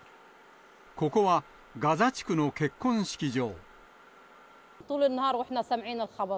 ここはガザ地区の結婚式場。